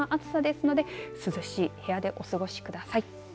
もう夏の暑さですので涼しい部屋でお過ごしください。